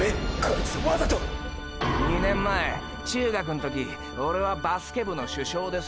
いつわざと２年前中学ん時オレはバスケ部の主将でさ。